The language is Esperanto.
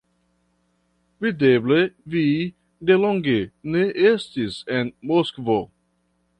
Videble, vi de longe ne estis en Moskvo.